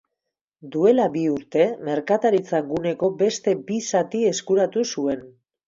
Duela bi urte, merkataritza-guneko beste bi zati eskuratu zuen.